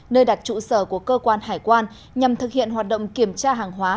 nơi đặt trụ sở của cơ quan hải quan nhằm thực hiện hoạt động kiểm tra hàng hóa